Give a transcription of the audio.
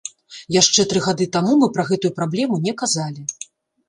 Яшчэ тры гады таму мы пра гэтую праблему не казалі.